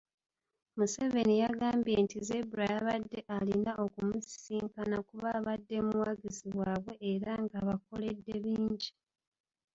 Museveni yagambye nti Zebra yabadde alina okumusisinkana kuba abadde muwagizi waabwe era ng'abakoledde bingi.